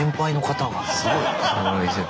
すごいね。